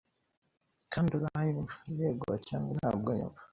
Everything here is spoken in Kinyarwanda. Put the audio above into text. Kandi uranyumva, yego cyangwa ntabwo unyumva